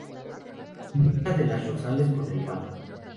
Lucha de la Rosales con el mar.